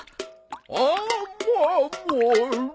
あまもり。